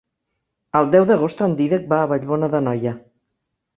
El deu d'agost en Dídac va a Vallbona d'Anoia.